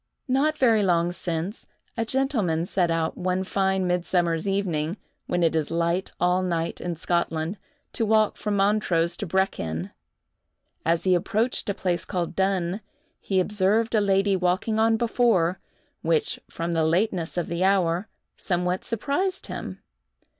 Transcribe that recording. Not very long since, a gentleman set out, one fine midsummer's evening, when it is light all night in Scotland, to walk from Montrose to Brechin. As he approached a place called Dunn, he observed a lady walking on before, which, from the lateness of the hour, somewhat surprised him.